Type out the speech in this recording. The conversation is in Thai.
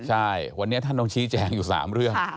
ใช่วันนี้ท่านต้องชี้แจงอยู่๓เรื่อง